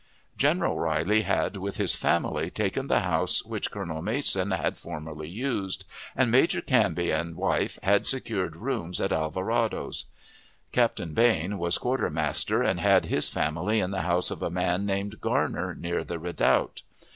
General Riley had, with his family, taken the house which Colonel Mason had formerly used, and Major Canby and wife had secured rooms at Alvarado's. Captain Bane was quartermaster, and had his family in the house of a man named Garner, near the redoubt.